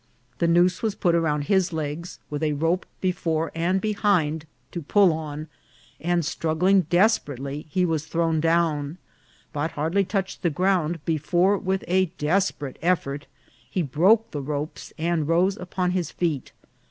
The noose was put round his legs, with a rope before and behind to pull on, and struggling desper ately, he was thrown down, but hardly touched the ground before, with a desperate effort, he broke the ropes and rose upon his feet.